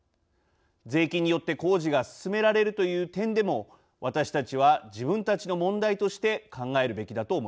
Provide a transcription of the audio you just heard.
税金によって工事が進められるという点でも私たちは自分たちの問題として考えるべきだと思います。